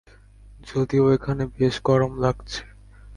যদিও এখানে বেশ গরম লাগছে!